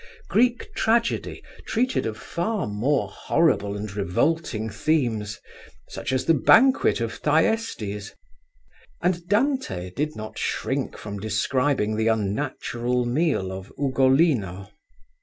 Greek tragedy treated of far more horrible and revolting themes, such as the banquet of Thyestes: and Dante did not shrink from describing the unnatural meal of Ugolino.